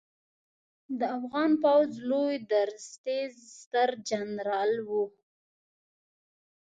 د افغان پوځ لوی درستیز سترجنرال و